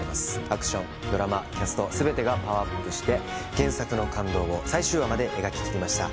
アクションドラマキャスト全てがパワーアップして原作の感動を最終話まで描ききりました